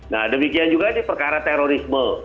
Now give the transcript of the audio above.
nah demikian juga ini perkara terorisme